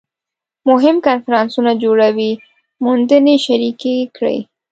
مهم کنفرانسونه جوړوي موندنې شریکې کړي